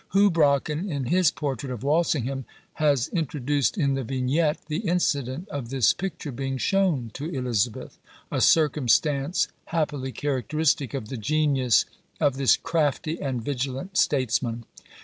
Houbraken, in his portrait of Walsingham, has introduced in the vignette the incident of this picture being shown to Elizabeth; a circumstance happily characteristic of the genius of this crafty and vigilant statesman.